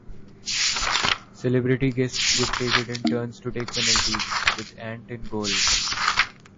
Celebrity guests would take it in turns to take penalties, with Ant in goal.